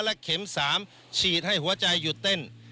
และเข็ม๓ฉีดให้หัวใจหยุดเต้น